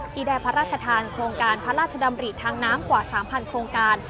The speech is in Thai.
ที่ได้พระราชทานโครงการพระราชดำริทางน้ำกว่า๓๐๐โครงการ